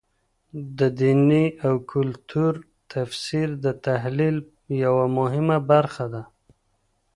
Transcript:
د دیني او کلتور تفسیر د تحلیل یوه مهمه برخه ده.